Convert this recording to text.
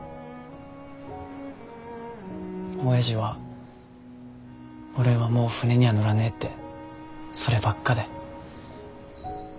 おやじは俺はもう船には乗らねえってそればっかで。